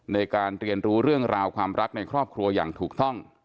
ในการเรียนรู้เรื่องราวความรักในครอบครัวอย่างถูกต้อง